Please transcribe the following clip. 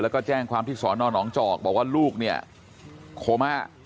แล้วก็แจ้งความที่สอนอนหนองจอกบอกว่าลูกเนี่ยโคม่า